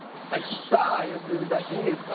さあ良純さんいいですか？